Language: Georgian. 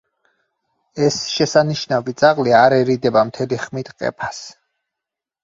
ეს შესანიშნავი ძაღლი არ ერიდება მთელი ხმით ყეფას.